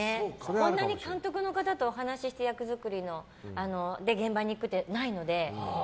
こんなに監督の方とお話して役作りで現場に行くってないので。